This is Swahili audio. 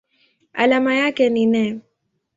Alama yake ni Ne.